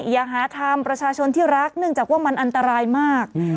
อย่าหาทำประชาชนที่รักเนื่องจากว่ามันอันตรายมาก